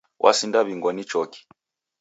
W'asindaw'ingwa ni choki.